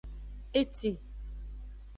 Etin.